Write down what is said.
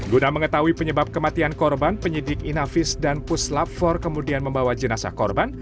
guna mengetahui penyebab kematian korban penyidik inavis dan puslap empat kemudian membawa jenazah korban